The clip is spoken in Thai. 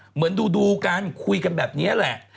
เหมือนดูกันคุยกันแบบนี้แหละ